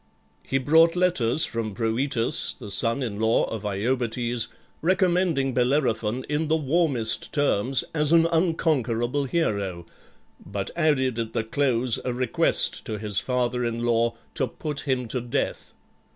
He brought letters from Proetus, the son in law of Iobates, recommending Bellerophon in the warmest terms as an unconquerable hero, but added at the close a request to his father in law to put him to death.